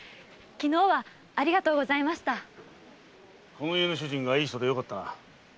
この家の主人がいい人でよかった。